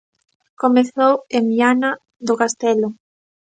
Comezou en Viana do Castelo.